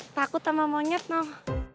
takut sama monyet dong